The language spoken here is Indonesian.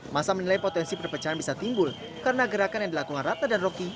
masa menilai potensi perpecahan bisa timbul karena gerakan yang dilakukan ratna dan rocky